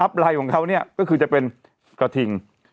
ไลน์ของเขาเนี่ยก็คือจะเป็นกระทิง